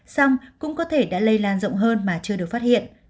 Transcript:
xong cũng có thể đã lây lan rộng hơn mà chưa được phát hiện